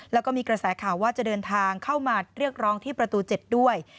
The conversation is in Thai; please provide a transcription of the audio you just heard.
แล้วก็มีกระแสข่าวว่าจะเดินทางเข้ามาเรียกร้องที่ประตู๗ด้วย